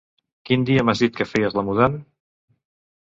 Quin dia m'has dit que feies la mudan